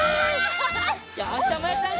よしじゃあまやちゃん